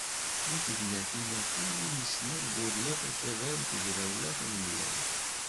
Deg tegnatin-agi i d-yeslal Budyaf Akabar n Tegrawla Tanemlayt.